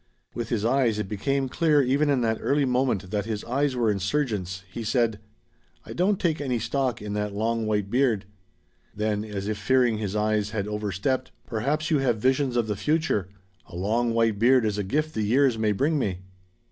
With his eyes it became clear even in that early moment that his eyes were insurgents he said: "I don't take any stock in that long white beard!" Then, as if fearing his eyes had overstepped: "Perhaps you have visions of the future. A long white beard is a gift the years may bring me."